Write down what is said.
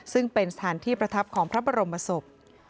ซึ่งเป็นสถานที่ประทับของพระบรมศพ